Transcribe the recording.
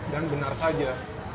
dan benar saja